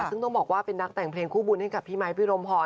ซึ่งต้องบอกว่าเป็นนักแต่งเพลงคู่บุญให้กับพี่ไมค์พี่รมพร